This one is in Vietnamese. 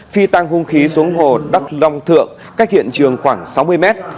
phi tăng hung khí xuống hồ đắc long thượng cách hiện trường khoảng sáu mươi mét